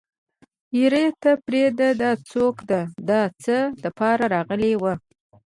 يره ته پرېده دا څوک ده د څه دپاره راغلې وه.